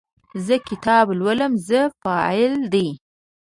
زه کتاب لولم – "زه" فاعل دی.